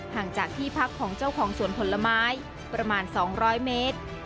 ห่างจากที่พักของเจ้าของสวนผลไม้ประมาณ๒๐๐เมตร